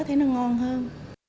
thấy nó ngon hơn